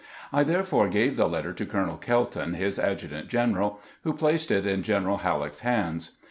I therefore gave the letter to Colonel Kelton, his adjutant general, who placed it in General Halleck's hands.